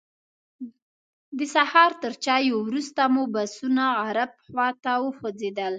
د سهار تر چایو وروسته مو بسونه غرب خواته وخوځېدل.